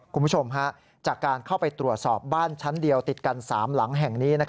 คุณผู้ชมจากการเข้าไปตรวจสอบบ้านชั้นเดียวติดกัน๓หลังแห่งนี้